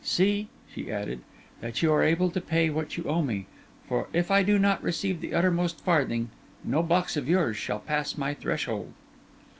See,' she added, 'that you are able to pay what you owe me; for if I do not receive the uttermost farthing, no box of yours shall pass my threshold.